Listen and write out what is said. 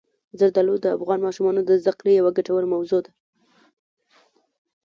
زردالو د افغان ماشومانو د زده کړې یوه ګټوره موضوع ده.